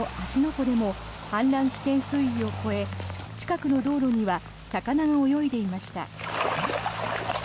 湖でも氾濫危険水位を超え近くの道路には魚が泳いでいました。